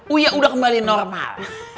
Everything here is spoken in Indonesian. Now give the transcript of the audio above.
uya udah kembali normal